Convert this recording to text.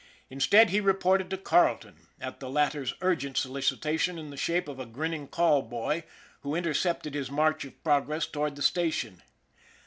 Instead, he reported to Carleton at the latter's urgent solicitation in the shape of a grin ning call boy, who intercepted his march of progress toward the station.